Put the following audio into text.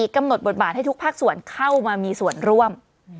กำหนดบทบาทให้ทุกภาคส่วนเข้ามามีส่วนร่วม